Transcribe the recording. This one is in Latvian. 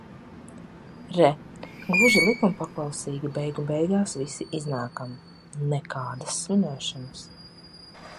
Re, gluži likumpaklausīgi beigu beigās visi iznākam. Nekādas svinēšanas.